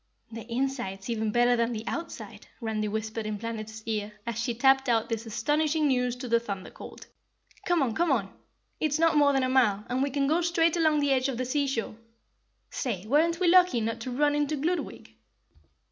"The inside's even better than the outside," Randy whispered in Planetty's ear, as she tapped out this astonishing news to the Thunder Colt. "Come on, come on, it's not more than a mile, and we can go straight along the edge of the sea shore. Say, weren't we lucky not to run into Gludwig?"